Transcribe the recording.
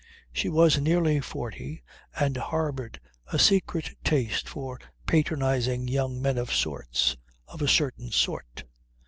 She was nearly forty and harboured a secret taste for patronizing young men of sorts of a certain sort.